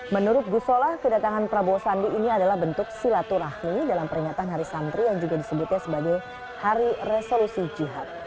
menurut gusola kedatangan prabowo sandi ini adalah bentuk silaturahmi dalam peringatan hari santri yang juga disebutnya sebagai hari resolusi jihad